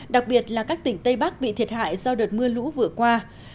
đặc biệt là các tỉnh tây bắc bị thiệt hại do đợt mưa lũ vừa qua